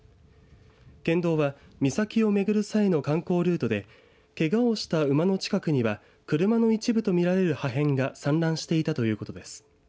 県道は岬を巡る祭の観光ルートでけがをした馬の近くには車の一部とみられる破片が散乱していたということです。